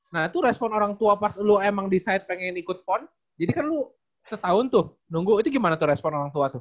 nah itu respon orang tua pas lo emang decide pengen ikut pon jadi kan lu setahun tuh nunggu itu gimana tuh respon orang tua tuh